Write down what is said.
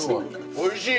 おいしい！